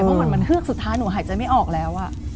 เพราะเหมือนมันเฮือกสุดท้ายหนูหายใจไม่ออกแล้ว